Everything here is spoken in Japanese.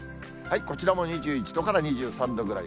こちらも２１度から２３度ぐらい。